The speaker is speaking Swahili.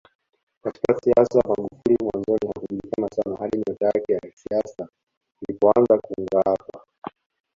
Katika siasa Magufuli mwanzoni hakujulikana sana hadi nyota yake ya isiasa ilipoanza kungaapa